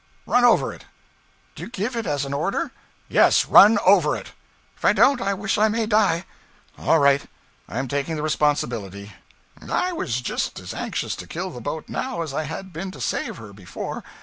Run over it!' 'Do you give it as an order?' 'Yes. Run over it.' 'If I don't, I wish I may die.' 'All right; I am taking the responsibility.' I was just as anxious to kill the boat, now, as I had been to save her before.